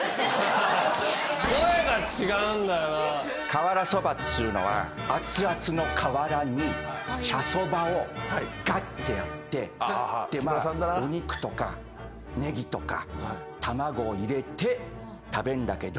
瓦そばっちゅうのは熱々の瓦に茶そばをガッてやってでまあお肉とかネギとか卵を入れて食べんだけど。